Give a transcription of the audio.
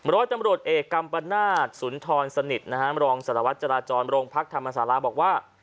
รถตำรวจเอกัมประนาจสุนทรสนิทรองสรวรรค์จราจรโรงพักธรรมสาระบอกว่า